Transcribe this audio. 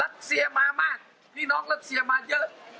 ลักเชียร์มามากนี่น้องลักเชียร์มาเยอะ